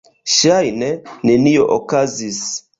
Ŝajne nenio okazis.